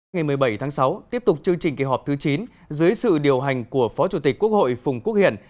ngày một mươi bảy tháng sáu tiếp tục chương trình kỳ họp thứ chín dưới sự điều hành của phó chủ tịch quốc hội phùng quốc hiển